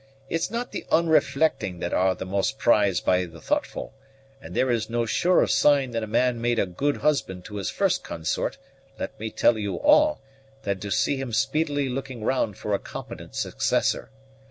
It's not the unreflecting that are the most prized by the thoughtful, and there is no surer sign that a man made a good husband to his first consort, let me tell you all, than to see him speedily looking round for a competent successor.